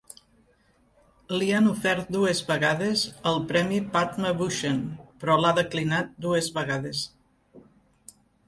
Li han ofert dues vegades el premi Padma Bhushan, però l'ha declinat dues vegades.